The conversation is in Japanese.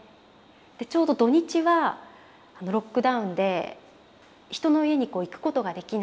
でちょうど土日はロックダウンで人の家に行くことができない。